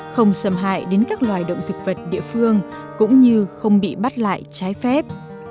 không xâm hại đến các loài động thực vật địa phương cũng như không bị bắt lại trái phép